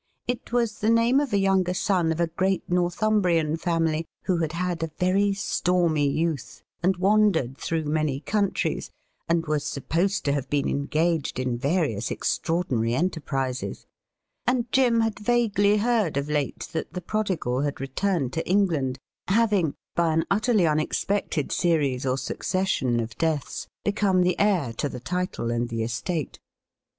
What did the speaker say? It was the name of a younger son of a great Northumbrian family, who had had a very stormy youth, and wandered through many countries, and was supposed to have been engaged in various extraordinary enterprises ; and Jim had vaguely heard of late that the prodigal had returned to England, having, by an utterly unexpected series or succession of deaths, become the heir to the title and the estate.